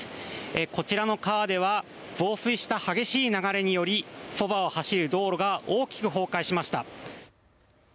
こちらの川では増水した激しい流れによりそばを走る道路が大きく崩壊しました。